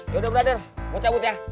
yaudah brother bucah bucah